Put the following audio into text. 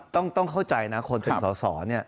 ต้องเข้าใจนะคนเป็นสอ